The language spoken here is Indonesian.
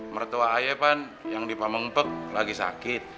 mertua ayah kan yang dipamengpek lagi sakit